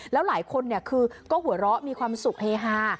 แล้วหลายคนคือก็หัวเราะมีความสุขเฮฮา